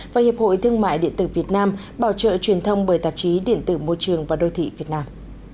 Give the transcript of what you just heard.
và hiệp hội thương mại điện tử việt nam bảo trợ truyền thông bởi tạp chí điện tử môi trường và đô thị việt nam